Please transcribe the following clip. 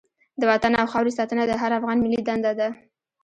د وطن او خاورې ساتنه د هر افغان ملي دنده ده.